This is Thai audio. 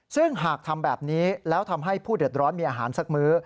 ซึ่งหากทำแบบนี้แล้วทำให้ผู้เดือดร้อนมีอาหารสักมื้อ